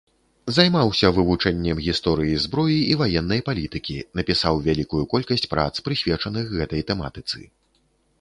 Займаўся вывучэннем гісторыі зброі і ваеннай палітыкі, напісаў вялікую колькасць прац прысвечаных гэтай тэматыцы.